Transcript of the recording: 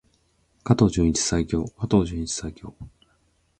加藤純一最強！加藤純一最強！